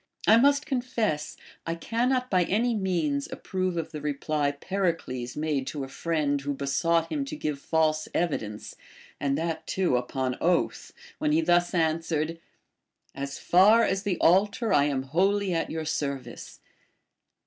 I must confess, I cannot by any means approve of the reply Pericles made to a friend who be sought him to give false evidence, and that too upon oath, when he thus answered : As far as the altar I am wholly at your service.